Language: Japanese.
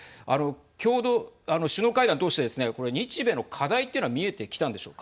あの、首脳会談を通してですねこれ日米の課題っていうのは見えてきたんでしょうか。